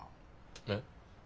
えっ？